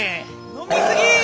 飲み過ぎ！